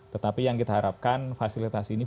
tetapi yang kita harapkan fasilitas ini